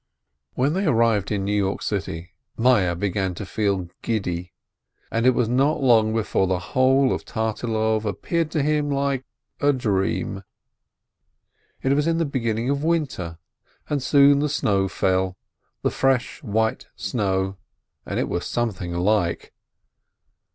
When they arrived in New York City, Meyerl began to feel giddy, and it was not long before the whole of Tartilov appeared to him like a dream. It was in the beginning of winter, and soon the snow fell, the fresh white snow, and it was something like